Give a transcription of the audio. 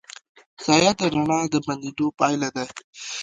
سایه د رڼا د بندېدو پایله ده.